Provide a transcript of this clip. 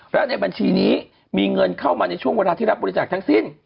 และในบัญชีนี้มีเงินเข้ามาในช่วงเวลาที่รับบริจาคทั้งสิ้น